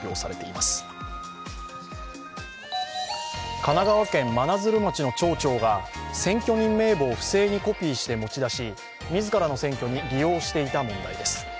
神奈川県真鶴町の町長が選挙人名簿を不正にコピーして持ち出し、自らの選挙に利用していた問題です。